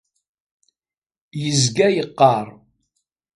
Yezga yeqqar.